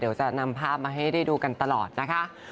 เดี๋ยวจะนำภาพมาให้ได้ดูกันตลอดนะคะ